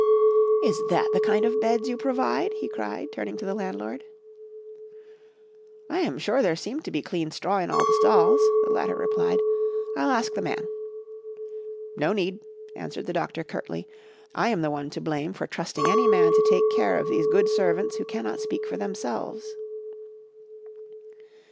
"Is that the kind of beds you provide?" he cried, turning to the landlord. "I am sure there seemed to be clean straw in the stalls," the latter replied, "I'll ask the man." "No need," answered the doctor, curtly, "I am the one to blame for trusting any man to take care of these good servants who cannot speak for themselves."